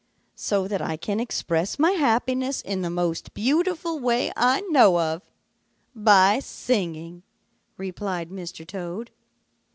"'So that I can express my happiness in the most beautiful way I know of, by singing,' replied Mr. Toad.